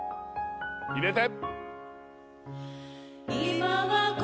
入れて！